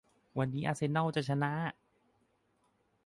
วันนี้อาร์เซนอลจะชนะ